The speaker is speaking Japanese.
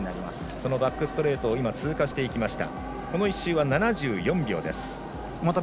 そのバックストレートを通過していきました。